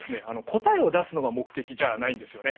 答えを出すのが目的じゃないんですよね。